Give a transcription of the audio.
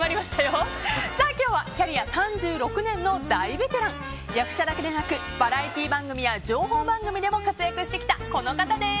今日はキャリア３６年の大ベテラン役者だけでなくバラエティー番組や情報番組でも活躍してきたこの方です。